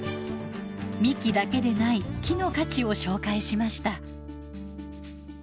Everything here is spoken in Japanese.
幹だけでない木の価値を紹介しました。